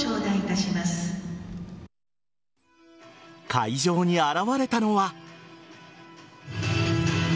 会場に現れたのは。